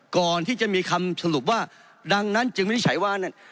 ก่อนที่จะมีคำสรุปว่าดังนั้นจึงวินิจฉัยว่านั่น